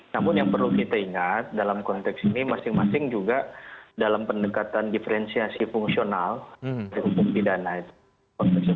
namun yang perlu kita ingat dalam konteks ini masing masing juga dalam pendekatan diferensiasi fungsional dari hukum pidana itu